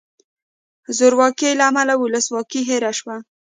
زورواکۍ له امله ولسواکي هیره شوه.